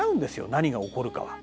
何が起こるかは。